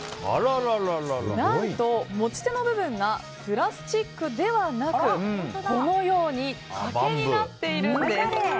何と、持ち手の部分がプラスチックではなくこのように竹になっているんです。